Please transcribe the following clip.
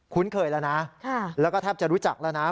เคยแล้วนะแล้วก็แทบจะรู้จักแล้วนะ